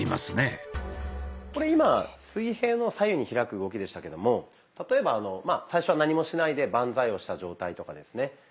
これ今水平の左右に開く動きでしたけども例えば最初は何もしないでバンザイをした状態とかですね。